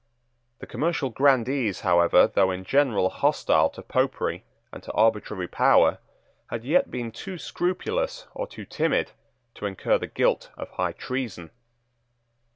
The commercial grandees, however, though in general hostile to Popery and to arbitrary power, had yet been too scrupulous or too timid to incur the guilt of high treason.